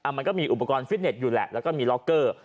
มันก็มีอุปกรณ์ฟิตเน็ตอยู่แหละแล้วก็มีล็อกเกอร์